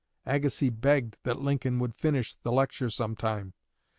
Agassiz begged that Lincoln would finish the lecture sometime.